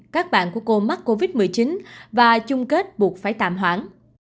các bạn của cô mắc covid một mươi chín và chung kết buộc phải tạm hoãn